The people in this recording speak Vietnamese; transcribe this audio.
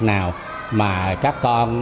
nào mà các con